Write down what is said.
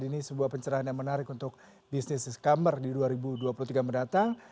ini sebuah pencerahan yang menarik untuk bisnis iscomer di dua ribu dua puluh tiga mendatang